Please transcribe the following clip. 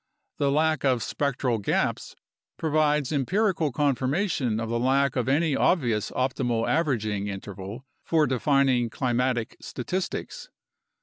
The lack of spectral "gaps" provides empirical confirmation of the lack of any obvious optimal averaging in terval for defining climatic statistics.